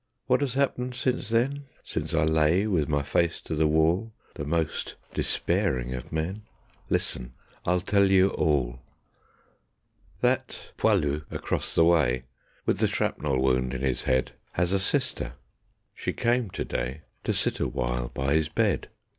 What has happened since then, Since I lay with my face to the wall, The most despairing of men? Listen! I'll tell you all. That 'poilu' across the way, With the shrapnel wound in his head, Has a sister: she came to day To sit awhile by his bed.